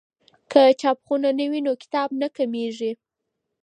که چاپخونه وي نو کتاب نه کمېږي.